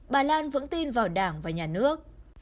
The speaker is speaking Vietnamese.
bà lan vẫn tin vào đảng và nhà nước